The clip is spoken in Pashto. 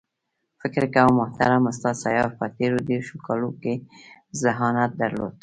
فکر کوم محترم استاد سیاف په تېرو دېرشو کالو کې ذهانت درلود.